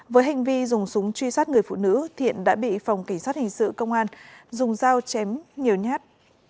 với hành vi dùng súng truy sát người phụ nữ thiện đã bị phòng kỳ sát hình sự công an dùng dao chém nhiều nhát